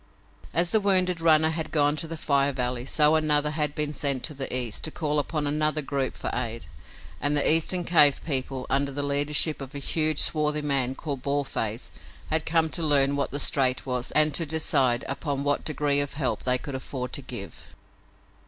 As the wounded runner had gone to the Fire Valley, so another had been sent to the East, to call upon another group for aid, and the Eastern cave people, under the leadership of a huge, swarthy man called Boarface, had come to learn what the strait was and to decide upon what degree of help they could afford to give.